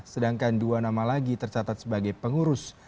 sedangkan dua nama lagi tercatat sebagai pengurus